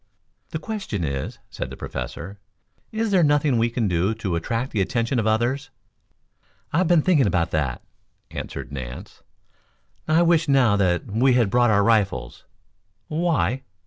"The question is," said the Professor, "is there nothing that we can do to attract the attention of others?" "I have been thinking of that," answered Nance. "I wish now that we had brought our rifles." "Why?"